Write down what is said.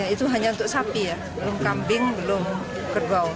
itu hanya untuk sapi ya belum kambing belum kerbau